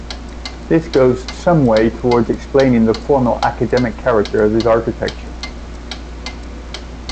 This goes some way towards explaining the formal academic character of his architecture.